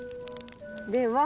では。